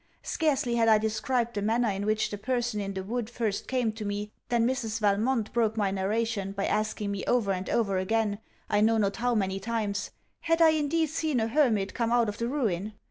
Scarcely had I described the manner in which the person in the wood first came to me, than Mrs. Valmont broke my narration by asking me over and over again, I know not how many times 'Had I indeed seen a hermit come out of the Ruin?